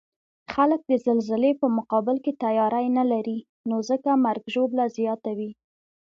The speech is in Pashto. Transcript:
خلک د زلزلې په مقابل کې تیاری نلري، نو ځکه مرګ ژوبله زیاته وی